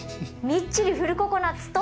みっちりフルココナツと。